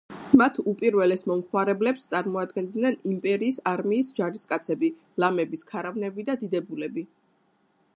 მათ უპირველეს მომხმარებლებს წარმოადგენდნენ იმპერიის არმიის ჯარისკაცები, ლამების ქარავნები და დიდებულები.